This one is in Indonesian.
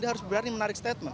dia harus berani menarik